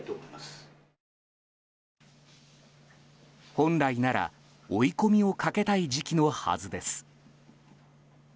本来なら追い込みをかけたい時期のはずです。